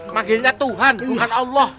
manggilnya tuhan bukan allah